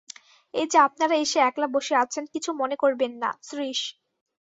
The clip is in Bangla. এই-যে আপনারা এসে একলা বসে আছেন, কিছু মনে করবেন না– শ্রীশ।